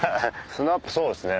スナップそうですね。